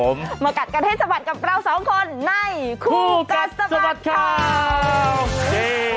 มากัดกันให้สะบัดกับเราสองคนในคู่กัดสะบัดข่าว